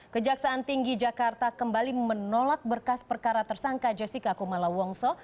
kejaksaan tinggi jakarta kembali menolak berkas perkara tersangka jessica kumala wongso